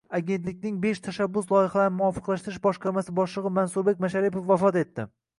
Agentlikning Besh tashabbus loyihalarini muvofiqlashtirish boshqarmasi boshlig‘i Mansurbek Masharipov vafot etdi